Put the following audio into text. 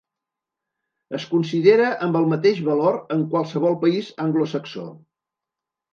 Es considera amb el mateix valor en qualsevol país anglosaxó.